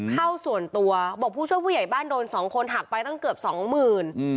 เข้าส่วนตัวบอกว่าผู้ช่วยผู้ใหญ่บ้านโดน๒คนหักไปตั้งเกือบ๒๐๐๐